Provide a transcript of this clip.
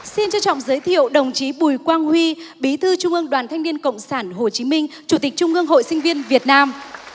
xin trân trọng giới thiệu đồng chí bùi quang huy bí thư trung ương đoàn thanh niên cộng sản hồ chí minh chủ tịch trung ương hội sinh viên việt nam